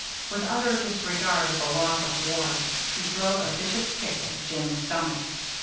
With utter disregard of the laws of war he drove a vicious kick at Jim's stomach.